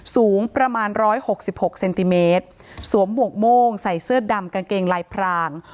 สูงประมาณ๑๖๖เซนติเมตรสวมหมวกโม่งใส่เสื้อดำกางเกงลายพราง